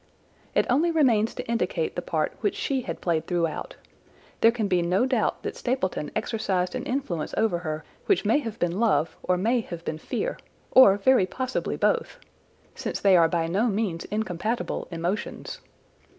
"It only remains to indicate the part which she had played throughout. There can be no doubt that Stapleton exercised an influence over her which may have been love or may have been fear, or very possibly both, since they are by no means incompatible emotions.